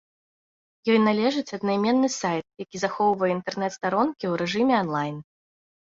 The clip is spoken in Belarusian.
Ёй належыць аднайменны сайт, які захоўвае інтэрнэт-старонкі ў рэжыме анлайн.